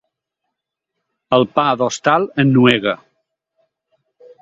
El pa d'hostal ennuega.